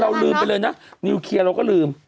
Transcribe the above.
เราลืมไปเลยนะนิวเคียเราก็ลืม